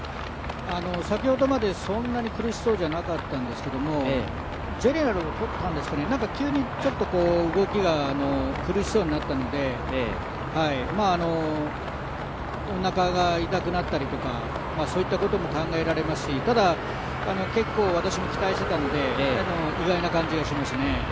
先ほどまでそんなに苦しそうじゃなかったんですがゼネラルを取ったんですかね、動きが急に苦しそうになったのでおなかが痛くなったりとか、そういったことも考えられますし、ただ、結構私も期待してたので、意外な気がしますね。